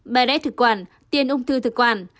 bài đáy thực quản tiên ung thư thực quản